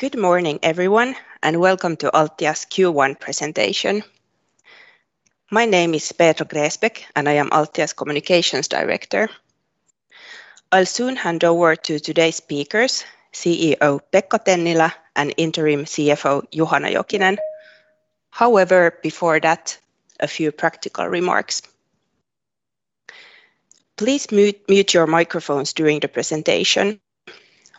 Good morning everyone, welcome to Altia's Q1 presentation. My name is Petra Gräsbeck and I am Altia's Communications Director. I'll soon hand over to today's speakers, CEO Pekka Tennilä and Interim CFO Juhana Jokinen. However, before that, a few practical remarks. Please mute your microphones during the presentation.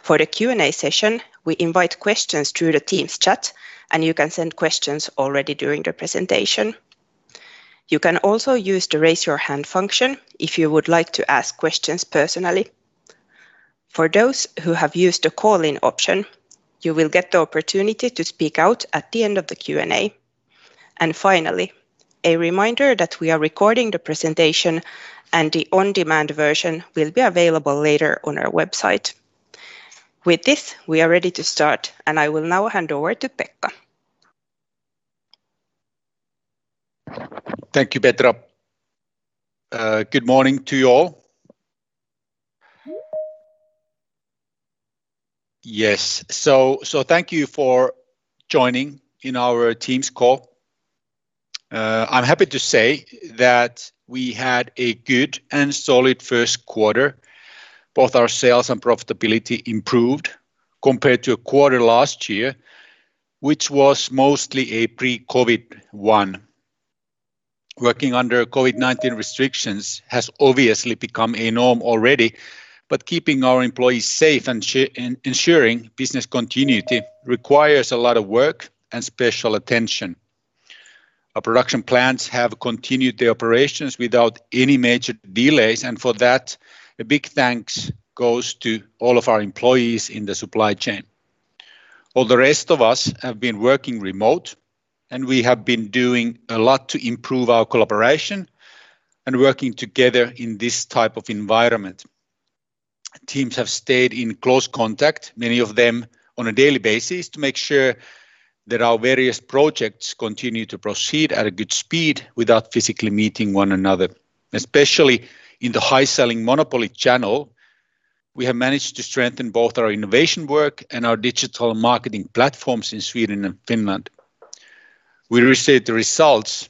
For the Q&A session, we invite questions through the Teams chat, and you can send questions already during the presentation. You can also use the raise your hand function if you would like to ask questions personally. For those who have used the call-in option, you will get the opportunity to speak out at the end of the Q&A. Finally, a reminder that we are recording the presentation and the on-demand version will be available later on our website. With this, we are ready to start and I will now hand over to Pekka. Thank you, Petra. Good morning to you all. Yes. Thank you for joining in our Teams call. I'm happy to say that we had a good and solid first quarter. Both our sales and profitability improved compared to a quarter last year, which was mostly a pre-COVID-19 one. Working under COVID-19 restrictions has obviously become a norm already, but keeping our employees safe and ensuring business continuity requires a lot of work and special attention. Our production plants have continued their operations without any major delays, and for that, a big thanks goes to all of our employees in the supply chain. All the rest of us have been working remote and we have been doing a lot to improve our collaboration and working together in this type of environment. Teams have stayed in close contact, many of them on a daily basis, to make sure that our various projects continue to proceed at a good speed without physically meeting one another. Especially in the high-selling monopoly channel, we have managed to strengthen both our innovation work and our digital marketing platforms in Sweden and Finland. We received the results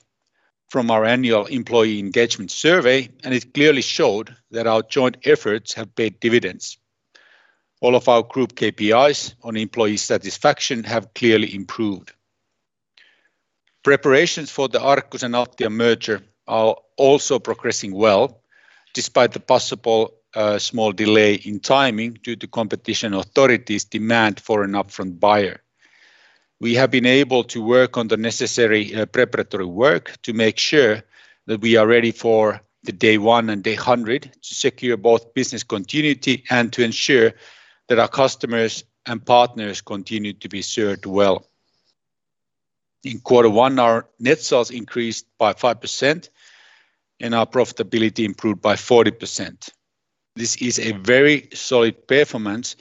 from our annual employee engagement survey, and it clearly showed that our joint efforts have paid dividends. All of our group KPIs on employee satisfaction have clearly improved. Preparations for the Arcus and Altia merger are also progressing well despite the possible small delay in timing due to competition authorities' demand for an upfront buyer. We have been able to work on the necessary preparatory work to make sure that we are ready for the day one and day 100 to secure both business continuity and to ensure that our customers and partners continue to be served well. In quarter one, our net sales increased by 5% and our profitability improved by 40%. This is a very solid performance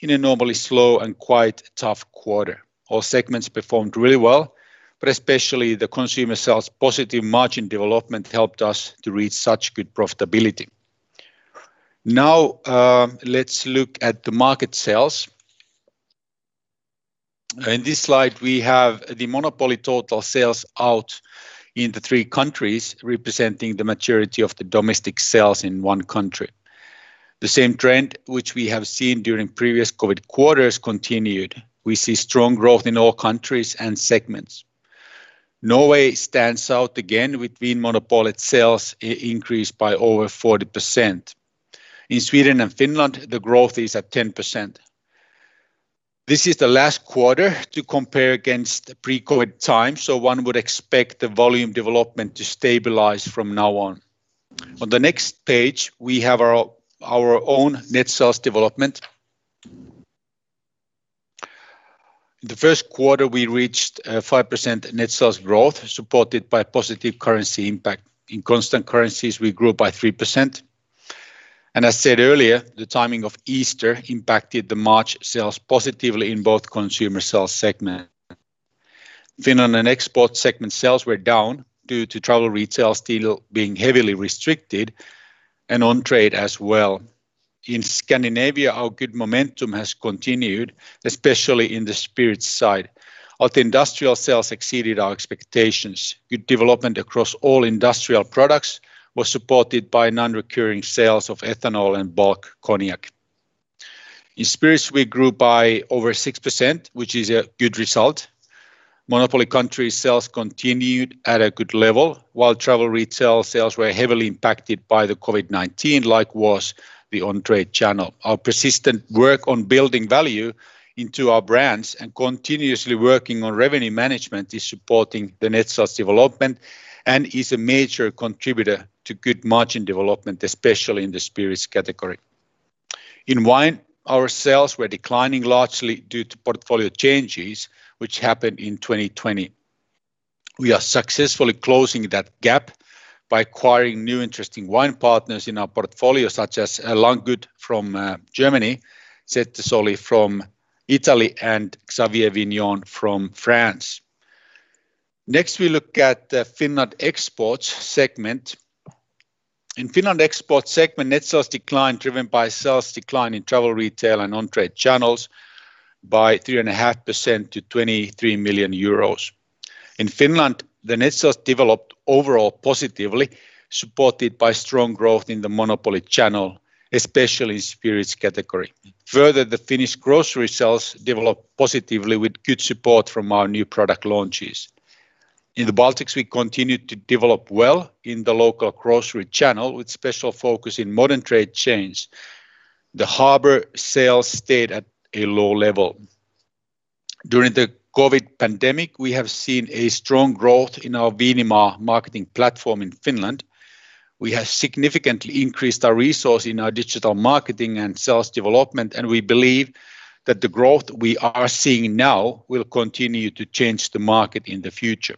in a normally slow and quite tough quarter. All segments performed really well, but especially the consumer sales positive margin development helped us to reach such good profitability. Let's look at the market sales. In this slide, we have the monopoly total sales out in the three countries representing the majority of the domestic sales in one country. The same trend which we have seen during previous COVID quarters continued. We see strong growth in all countries and segments. Norway stands out again with wine monopoly sales increased by over 40%. In Sweden and Finland, the growth is at 10%. This is the last quarter to compare against the pre-COVID time, so one would expect the volume development to stabilize from now on. On the next page, we have our own net sales development. In the first quarter, we reached 5% net sales growth supported by positive currency impact. In constant currencies, we grew by 3%. As I said earlier, the timing of Easter impacted the March sales positively in both consumer sales segment. Finland and export segment sales were down due to travel retail still being heavily restricted and on-trade as well. In Scandinavia, our good momentum has continued, especially in the spirits side. Our industrial sales exceeded our expectations. Good development across all industrial products was supported by non-recurring sales of ethanol and bulk cognac. In spirits, we grew by over 6%, which is a good result. Monopoly country sales continued at a good level while travel retail sales were heavily impacted by the COVID-19, like was the on-trade channel. Our persistent work on building value into our brands and continuously working on revenue management is supporting the net sales development and is a major contributor to good margin development, especially in the spirits category. In wine, our sales were declining largely due to portfolio changes, which happened in 2020. We are successfully closing that gap by acquiring new interesting wine partners in our portfolio, such as Langguth from Germany, Settesoli from Italy and Xavier Vignon from France. Next, we look at the Finland exports segment. In Finland export segment, net sales decline driven by sales decline in travel retail and on-trade channels by 3.5% to 23 million euros. In Finland, the net sales developed overall positively, supported by strong growth in the monopoly channel, especially spirits category. The Finnish grocery sales developed positively with good support from our new product launches. In the Baltics, we continued to develop well in the local grocery channel, with special focus in modern trade chains. The harbor sales stayed at a low level. During the COVID-19 pandemic, we have seen a strong growth in our Viinimaa marketing platform in Finland. We have significantly increased our resource in our digital marketing and sales development, and we believe that the growth we are seeing now will continue to change the market in the future.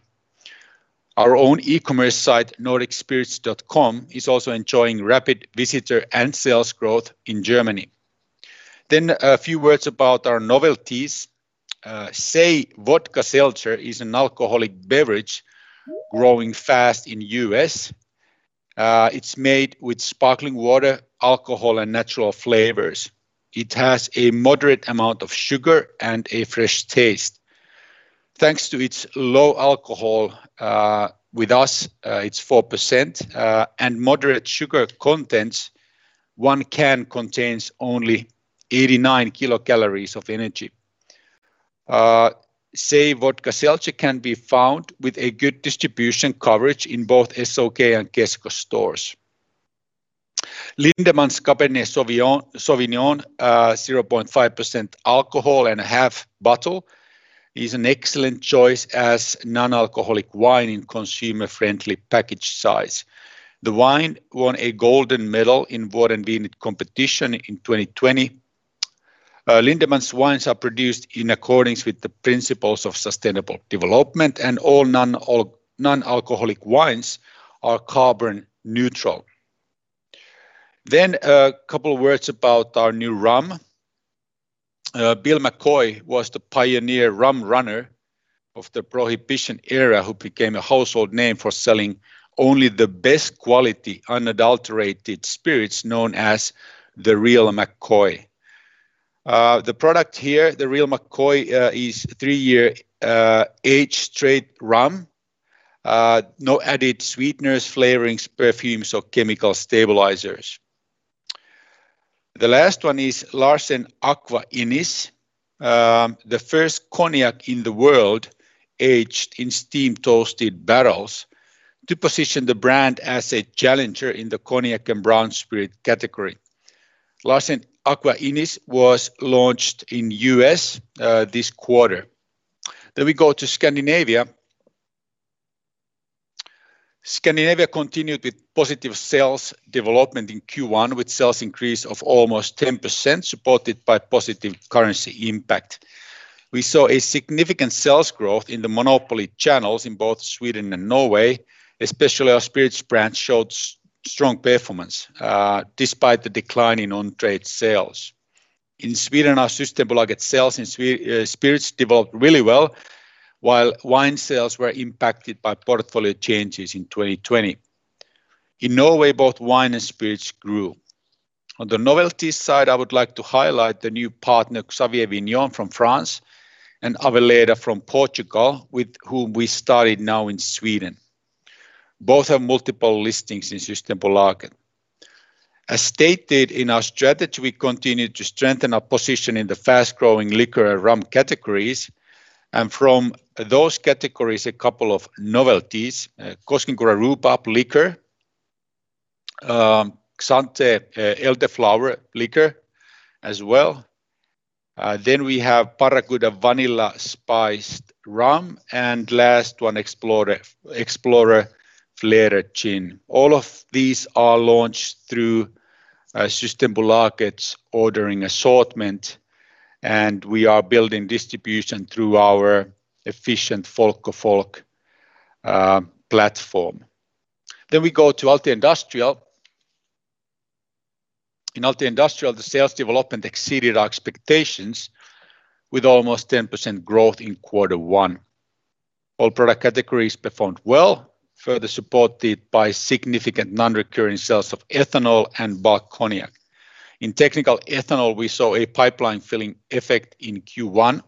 Our own e-commerce site, nordicspirits.com, is also enjoying rapid visitor and sales growth in Germany. A few words about our novelties. SAY Vodka Seltzer is an alcoholic beverage growing fast in the U.S. It's made with sparkling water, alcohol, and natural flavors. It has a moderate amount of sugar and a fresh taste. Thanks to its low alcohol, with us it's 4%, and moderate sugar contents, one can contains only 89 kilocalories of energy. SAY Vodka Seltzer can be found with a good distribution coverage in both SOK and Kesko stores. Lindeman's Cabernet Sauvignon, 0.5% alcohol and a half bottle, is an excellent choice as non-alcoholic wine in consumer-friendly package size. The wine won a golden medal in Wine & Spirit Competition in 2020. Lindeman's wines are produced in accordance with the principles of sustainable development. All non-alcoholic wines are carbon neutral. A couple words about our new rum. Bill McCoy was the pioneer rum runner of the Prohibition era who became a household name for selling only the best quality unadulterated spirits known as The Real McCoy. The product here, The Real McCoy, is a three-year aged straight rum. No added sweeteners, flavorings, perfumes or chemical stabilizers. The last one is Larsen Aqua Ignis, the first cognac in the world aged in steam-toasted barrels to position the brand as a challenger in the cognac and brown spirit category. Larsen Aqua Ignis was launched in U.S. this quarter. We go to Scandinavia. Scandinavia continued with positive sales development in Q1, with sales increase of almost 10%, supported by positive currency impact. We saw a significant sales growth in the monopoly channels in both Sweden and Norway, especially our spirits branch showed strong performance despite the decline in on-trade sales. In Sweden, our Systembolaget sales in spirits developed really well, while wine sales were impacted by portfolio changes in 2020. In Norway, both wine and spirits grew. On the novelty side, I would like to highlight the new partner, Xavier Vignon from France and Aveleda from Portugal, with whom we started now in Sweden. Both have multiple listings in Systembolaget. As stated in our strategy, we continue to strengthen our position in the fast-growing liquor and rum categories and from those categories, a couple of novelties. Koskenkorva Rhubarb liqueur, Xanté elderflower liqueur as well. We have Barracuda Vanilla Spiced Rum, and last one, Explorer Flädergin. All of these are launched through Systembolaget's ordering assortment, and we are building distribution through our efficient folköl platform. We go to Altia Industrial. In Altia Industrial, the sales development exceeded our expectations with almost 10% growth in quarter one. All product categories performed well, further supported by significant non-recurring sales of ethanol and bulk cognac. In technical ethanol, we saw a pipeline filling effect in Q1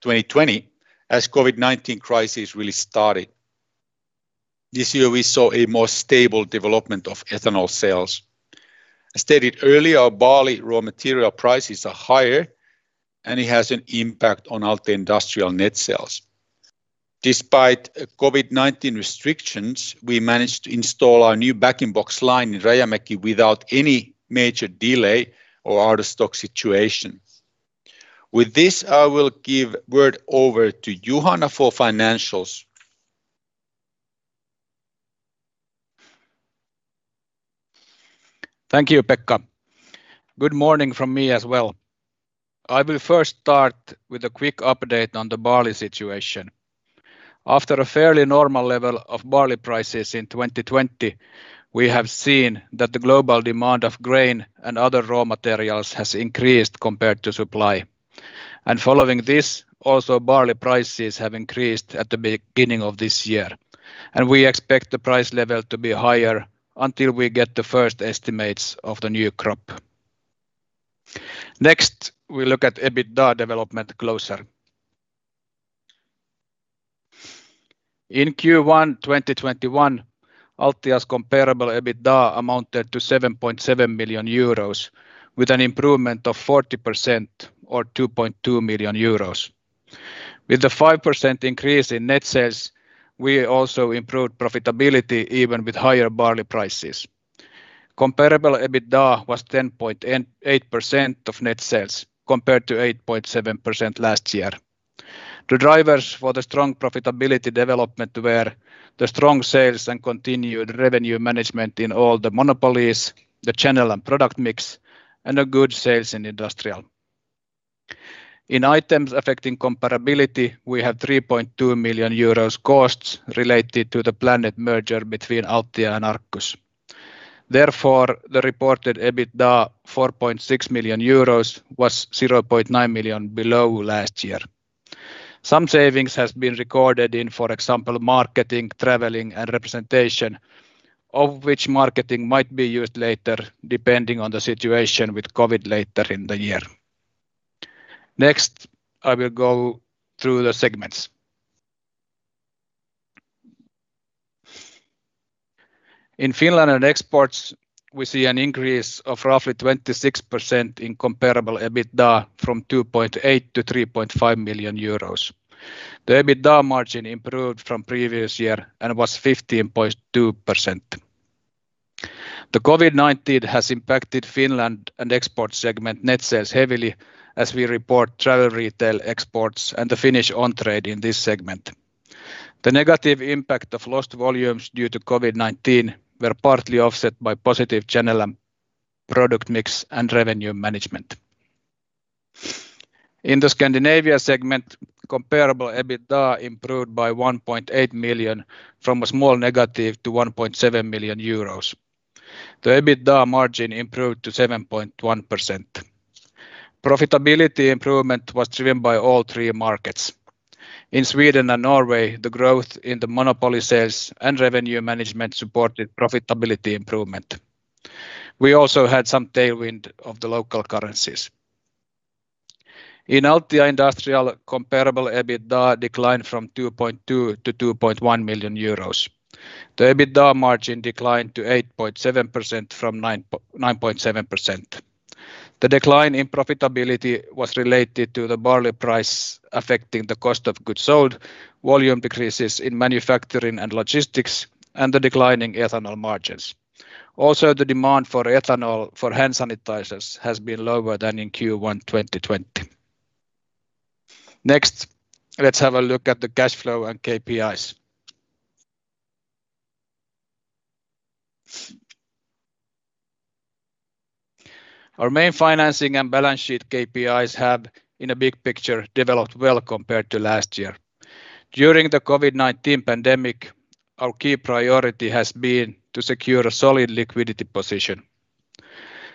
2020 as COVID-19 crisis really started. This year, we saw a more stable development of ethanol sales. As stated earlier, barley raw material prices are higher, and it has an impact on Altia Industrial net sales. Despite COVID-19 restrictions, we managed to install our new Bag-in-Box line in Rajamäki without any major delay or out-of-stock situations. With this, I will give word over to Juhana for financials. Thank you, Pekka. Good morning from me as well. I will first start with a quick update on the barley situation. After a fairly normal level of barley prices in 2020, we have seen that the global demand of grain and other raw materials has increased compared to supply. Following this, also barley prices have increased at the beginning of this year, and we expect the price level to be higher until we get the first estimates of the new crop. Next, we look at EBITDA development closer. In Q1 2021, Altia's comparable EBITDA amounted to 7.7 million euros with an improvement of 40% or 2.2 million euros. With the 5% increase in net sales, we also improved profitability even with higher barley prices. Comparable EBITDA was 10.8% of net sales compared to 8.7% last year. The drivers for the strong profitability development were the strong sales and continued revenue management in all the monopolies, the channel and product mix, and a good sales in Altia Industrial. In items affecting comparability, we have 3.2 million euros costs related to the planned merger between Altia and Arcus. The reported EBITDA, 4.6 million euros, was 0.9 million below last year. Some savings has been recorded in, for example, marketing, traveling, and representation, of which marketing might be used later, depending on the situation with COVID-19 later in the year. I will go through the segments. In Finland and exports, we see an increase of roughly 26% in comparable EBITDA from 2.8 million-3.5 million euros. The EBITDA margin improved from previous year and was 15.2%. The COVID-19 has impacted Finland and export segment net sales heavily as we report travel retail exports and the Finnish on-trade in this segment. The negative impact of lost volumes due to COVID-19 were partly offset by positive channel and product mix and revenue management. In the Scandinavia segment, comparable EBITDA improved by 1.8 million from a small negative to 1.7 million euros. The EBITDA margin improved to 7.1%. Profitability improvement was driven by all three markets. In Sweden and Norway, the growth in the monopoly sales and revenue management supported profitability improvement. We also had some tailwind of the local currencies. In Altia Industrial, comparable EBITDA declined from 2.2 million-2.1 million euros. The EBITDA margin declined to 8.7% from 9.7%. The decline in profitability was related to the barley price affecting the cost of goods sold, volume decreases in manufacturing and logistics, and the declining ethanol margins. Also, the demand for ethanol for hand sanitizers has been lower than in Q1 2020. Next, let's have a look at the cash flow and KPIs. Our main financing and balance sheet KPIs have, in a big picture, developed well compared to last year. During the COVID-19 pandemic, our key priority has been to secure a solid liquidity position.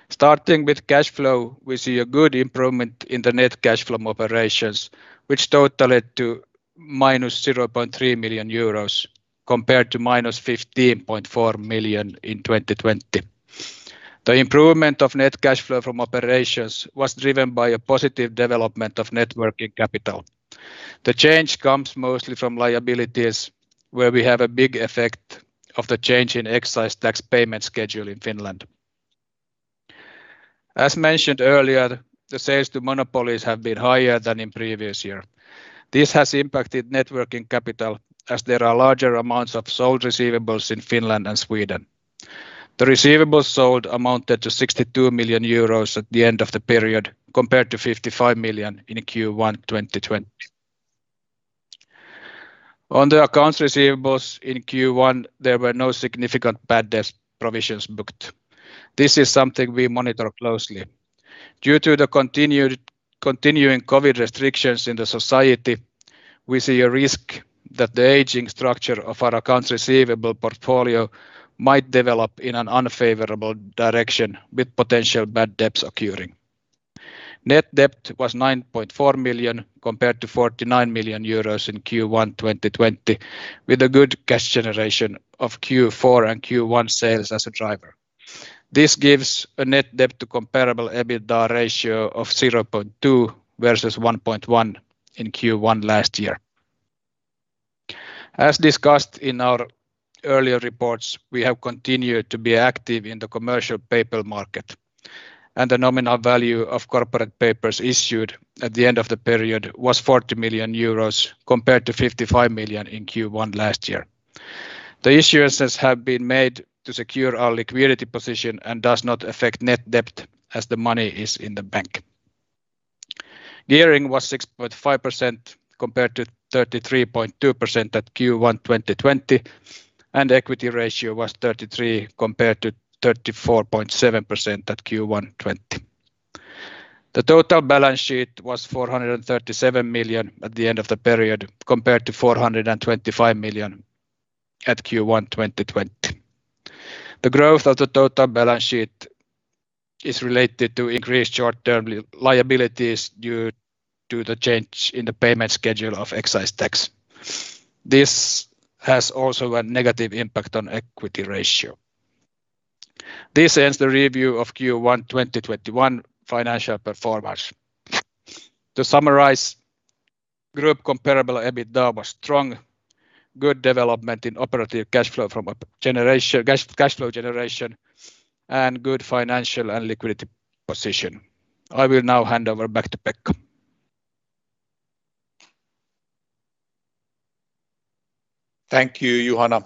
Starting with cash flow, we see a good improvement in the net cash from operations, which totaled to -0.3 million euros compared to -15.4 million in 2020. The improvement of net cash flow from operations was driven by a positive development of net working capital. The change comes mostly from liabilities, where we have a big effect of the change in excise tax payment schedule in Finland. As mentioned earlier, the sales to monopolies have been higher than in previous year. This has impacted net working capital as there are larger amounts of sold receivables in Finland and Sweden. The receivables sold amounted to 62 million euros at the end of the period compared to 55 million in Q1 2020. On the accounts receivables in Q1, there were no significant bad debt provisions booked. This is something we monitor closely. Due to the continuing COVID-19 restrictions in the society, we see a risk that the aging structure of our accounts receivable portfolio might develop in an unfavorable direction with potential bad debts occurring. Net debt was 9.4 million compared to 49 million euros in Q1 2020 with a good cash generation of Q4 and Q1 sales as a driver. This gives a net debt to comparable EBITDA ratio of 0.2 versus 1.1 in Q1 last year. As discussed in our earlier reports, we have continued to be active in the commercial paper market, the nominal value of corporate papers issued at the end of the period was 40 million euros compared to 55 million in Q1 last year. The issuances have been made to secure our liquidity position and does not affect net debt as the money is in the bank. Gearing was 6.5% compared to 33.2% at Q1 2020, equity ratio was 33% compared to 34.7% at Q1 2020. The total balance sheet was 437 million at the end of the period compared to 425 million at Q1 2020. The growth of the total balance sheet is related to increased short-term liabilities due to the change in the payment schedule of excise tax. This has also a negative impact on equity ratio. This ends the review of Q1 2021 financial performance. To summarize, Group comparable EBITDA was strong, good development in operating cash flow generation, and good financial and liquidity position. I will now hand over back to Pekka. Thank you, Juhana.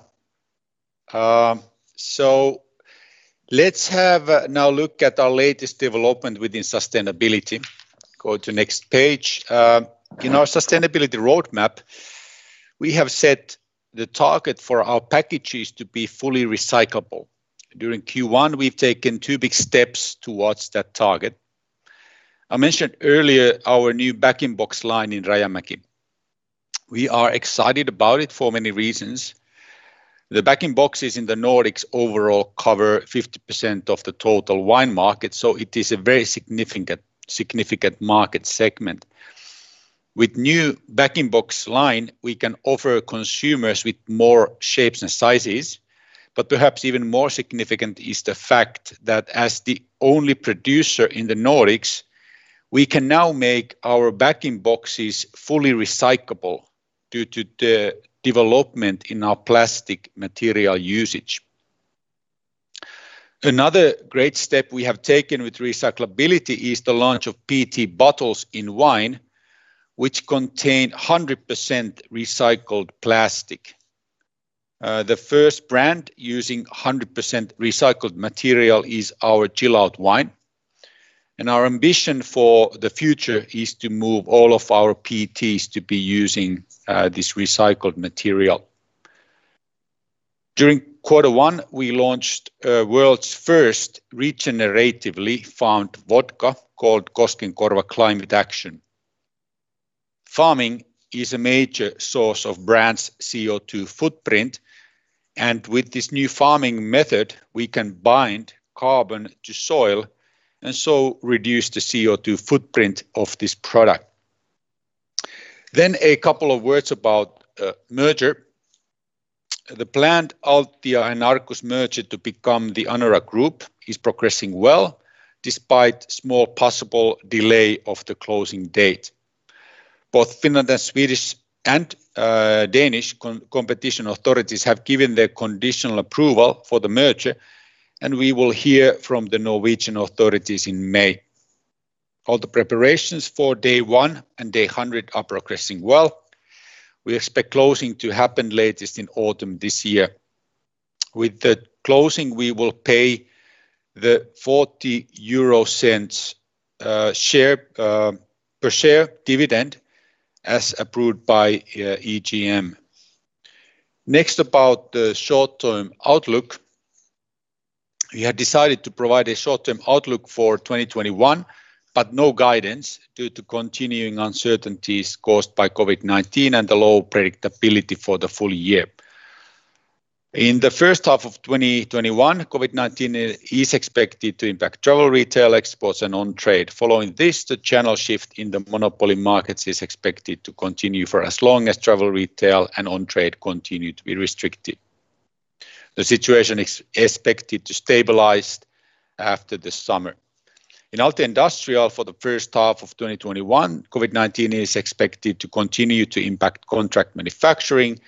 Let's have now look at our latest development within sustainability. Go to next page. In our sustainability roadmap, we have set the target for our packages to be fully recyclable. During Q1, we've taken two big steps towards that target. I mentioned earlier our new Bag-in-Box line in Rajamäki. We are excited about it for many reasons. The Bag-in-Box is in the Nordics overall cover 50% of the total wine market, it is a very significant market segment. With new Bag-in-Box line, we can offer consumers with more shapes and sizes, perhaps even more significant is the fact that as the only producer in the Nordics, we can now make our Bag-in-Box's fully recyclable due to the development in our plastic material usage. Another great step we have taken with recyclability is the launch of PET bottles in wine, which contain 100% recycled plastic. The first brand using 100% recycled material is our Chill Out wine. Our ambition for the future is to move all of our PETs to be using this recycled material. During quarter one, we launched world's first regeneratively farmed vodka called Koskenkorva Vodka Climate Action. Farming is a major source of brand's CO2 footprint, and with this new farming method, we can bind carbon to soil and so reduce the CO2 footprint of this product. A couple of words about merger. The planned Altia and Arcus merger to become the Anora Group is progressing well, despite small possible delay of the closing date. Both Finland and Swedish and Danish competition authorities have given their conditional approval for the merger, and we will hear from the Norwegian authorities in May. All the preparations for day one and day 100 are progressing well. We expect closing to happen latest in autumn this year. With the closing, we will pay the 0.40 per share dividend as approved by EGM. About the short-term outlook. We had decided to provide a short-term outlook for 2021, but no guidance due to continuing uncertainties caused by COVID-19 and the low predictability for the full year. In the first half of 2021, COVID-19 is expected to impact travel retail, exports, and on-trade. Following this, the channel shift in the monopoly markets is expected to continue for as long as travel retail and on-trade continue to be restricted. The situation is expected to stabilize after the summer. In Altia Industrial for the first half of 2021, COVID-19 is expected to continue to impact contract manufacturing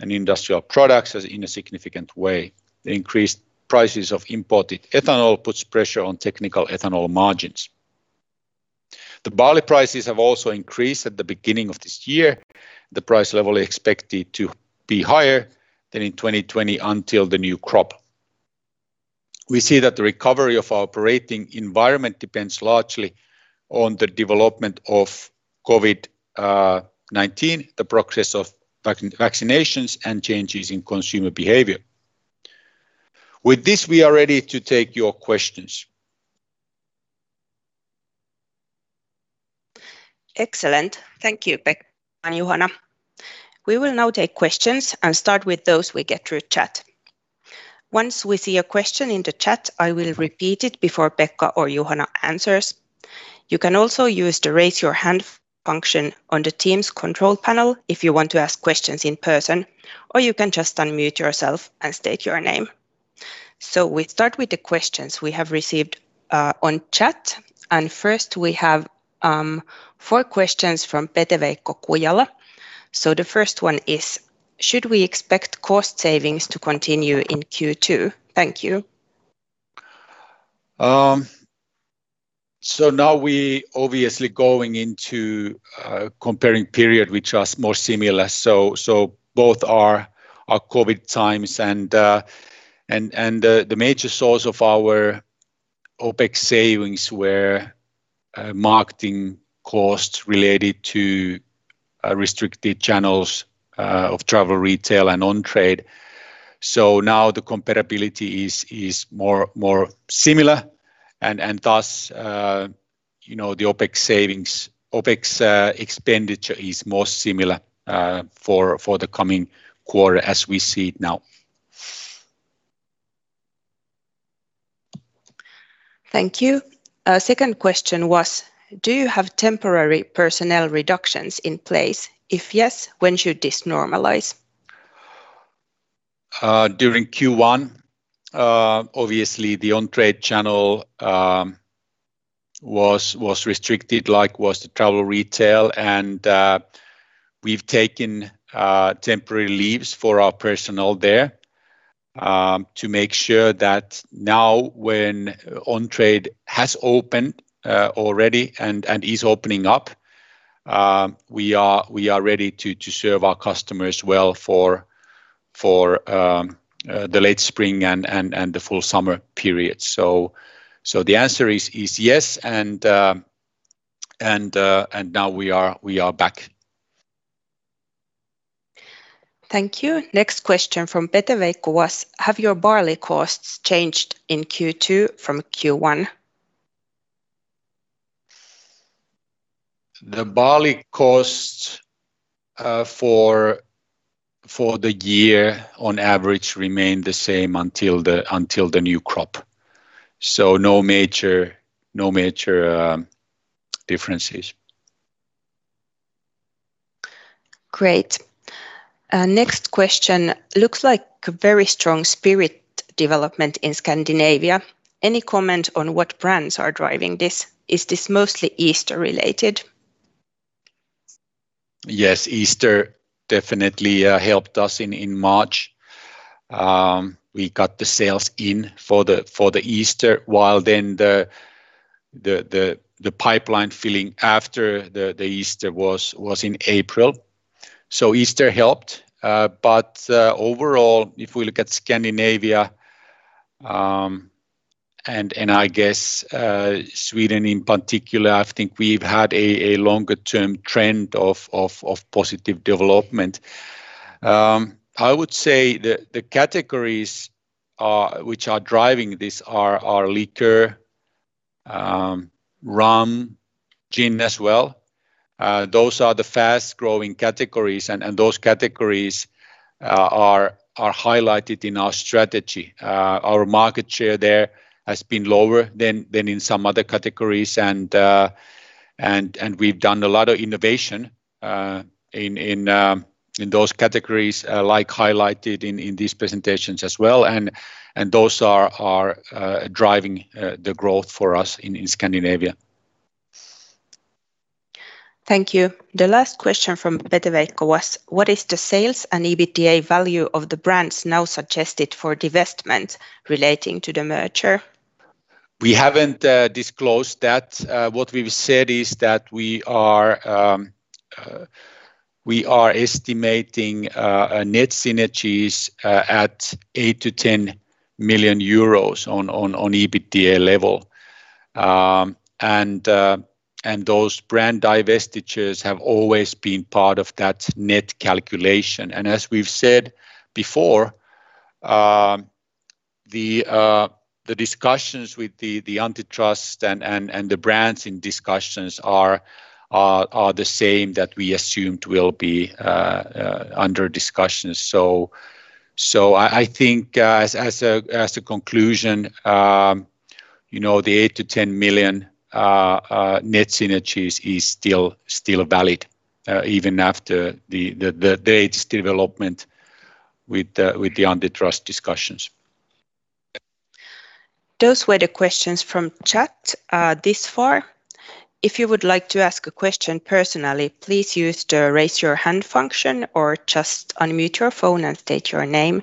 and industrial products in a significant way. The increased prices of imported ethanol puts pressure on technical ethanol margins. The barley prices have also increased at the beginning of this year. The price level expected to be higher than in 2020 until the new crop. We see that the recovery of our operating environment depends largely on the development of COVID-19, the progress of vaccinations, and changes in consumer behavior. With this, we are ready to take your questions. Excellent. Thank you, Pekka and Juhana. We will now take questions and start with those we get through chat. Once we see a question in the chat, I will repeat it before Pekka or Juhana answers. You can also use the raise your hand function on the team's control panel if you want to ask questions in person, or you can just unmute yourself and state your name. We start with the questions we have received on chat, and first we have four questions from Pete-Veikko Kujala. The first one is, should we expect cost savings to continue in Q2? Thank you. Now we obviously going into comparing period which are more similar. Both are COVID-19 times and the major source of our OpEx savings were marketing costs related to restricted channels of travel retail and on-trade. Now the comparability is more similar. Thus, the OpEx expenditure is more similar for the coming quarter as we see it now. Thank you. Second question was, do you have temporary personnel reductions in place? If yes, when should this normalize? During Q1, obviously the on-trade channel was restricted, like was the travel retail, and we've taken temporary leaves for our personnel there to make sure that now when on-trade has opened already and is opening up, we are ready to serve our customers well for the late spring and the full summer period. The answer is yes. Now we are back. Thank you. Next question from Pete-Veikko Kujala. Have your barley costs changed in Q2 from Q1? The barley costs for the year on average remain the same until the new crop. No major differences. Great. Next question. Looks like a very strong spirit development in Scandinavia. Any comment on what brands are driving this? Is this mostly Easter related? Yes, Easter definitely helped us in March. We got the sales in for the Easter, while then the pipeline filling after the Easter was in April. Easter helped. Overall, if we look at Scandinavia, and I guess Sweden in particular, I think we've had a longer-term trend of positive development. I would say the categories which are driving this are liquor, rum, gin as well. Those are the fast-growing categories and those categories are highlighted in our strategy. Our market share there has been lower than in some other categories and we've done a lot of innovation in those categories, like highlighted in these presentations as well, and those are driving the growth for us in Scandinavia. Thank you. The last question from Pete Was. What is the sales and EBITDA value of the brands now suggested for divestment relating to the merger? We haven't disclosed that. What we've said is that we are estimating net synergies at 8 million-10 million euros on EBITDA level. Those brand divestitures have always been part of that net calculation. As we've said before, the discussions with the antitrust and the brands in discussions are the same that we assumed will be under discussion. I think as a conclusion, the 8 million-10 million net synergies is still valid even after the latest development with the antitrust discussions. Those were the questions from chat this far. If you would like to ask a question personally, please use the raise your hand function or just unmute your phone and state your name.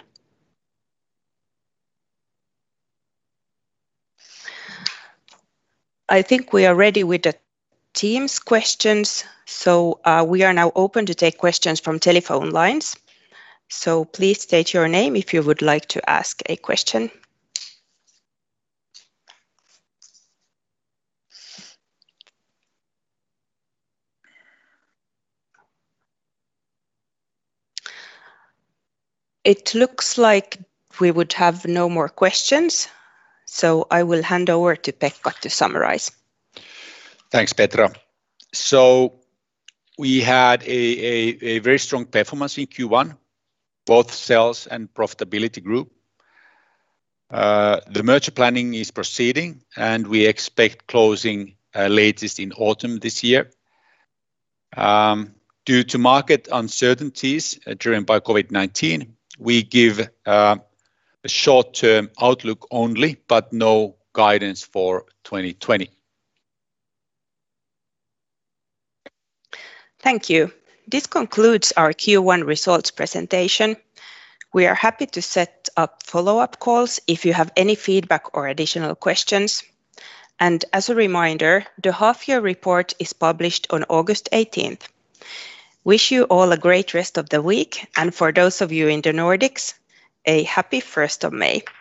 I think we are ready with the Teams questions, so we are now open to take questions from telephone lines. Please state your name if you would like to ask a question. It looks like we would have no more questions, so I will hand over to Pekka to summarize. Thanks, Petra. We had a very strong performance in Q1, both sales and profitability group. The merger planning is proceeding, and we expect closing latest in autumn this year. Due to market uncertainties driven by COVID-19, we give a short-term outlook only, but no guidance for 2020. Thank you. This concludes our Q1 results presentation. We are happy to set up follow-up calls if you have any feedback or additional questions. As a reminder, the half-year report is published on August 18th. Wish you all a great rest of the week, and for those of you in the Nordics, a happy 1st of May.